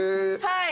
はい。